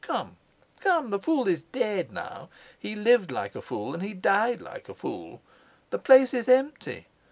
Come, come, the fool is dead now; he lived like a fool and he died like a fool. The place is empty.